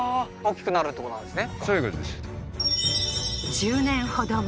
１０年ほど前